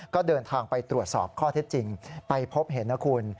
ก็เดินทางไปตรวจสอบข้อเท็จจริงไปพบเห็นนะคุณ